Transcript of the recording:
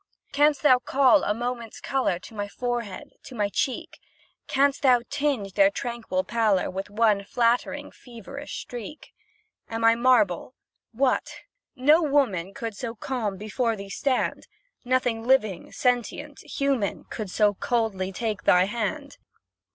Canst thou call a moment's colour To my forehead to my cheek? Canst thou tinge their tranquil pallor With one flattering, feverish streak? Am I marble? What! no woman Could so calm before thee stand? Nothing living, sentient, human, Could so coldly take thy hand?